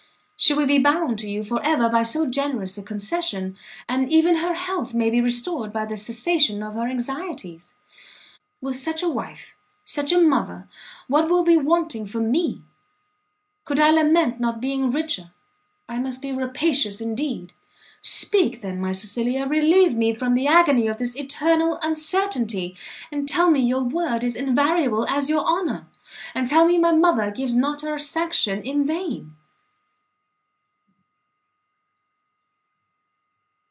She will be bound to you for ever by so generous a concession, and even her health may be restored by the cessation of her anxieties. With such a wife, such a mother, what will be wanting for me! Could I lament not being richer, I must be rapacious indeed! Speak, then, my Cecilia! relieve me from the agony of this eternal uncertainty, and tell me your word is invariable as your honour, and tell me my mother gives not her sanction in vain!"